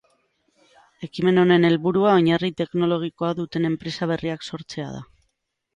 Ekimen honen helburua oinarri teknologikoa duten enpresa berriak sortzea da.